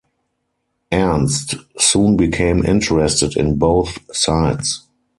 Ernst soon became interested in both sides.